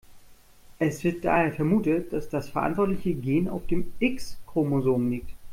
Es wird daher vermutet, dass das verantwortliche Gen auf dem X-Chromosom liegt.